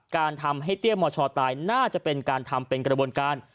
การทำให้เตี้ยมชตายน่าจะเป็นการทำเป็นกระบวนการ